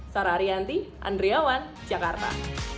sarah ariyanti andriawan jakarta